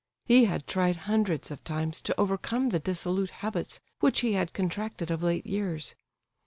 He had tried hundreds of times to overcome the dissolute habits which he had contracted of late years.